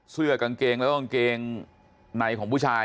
เสื้อกางเกงแล้วก็กางเกงในของผู้ชาย